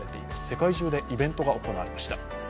世界中でイベントが行われました。